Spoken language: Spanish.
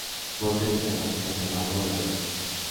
Monte de carrasca llamado La Roza.